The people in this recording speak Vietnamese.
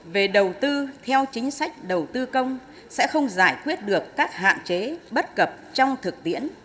về đầu tư theo chính sách đầu tư công sẽ không giải quyết được các hạn chế bất cập trong thực tiễn